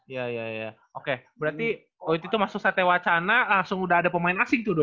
iya iya iya oke berarti waktu itu masuk satya wacana langsung udah ada pemain asing tuh dua ribu enam belas kan